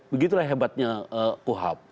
begitulah hebatnya kuhab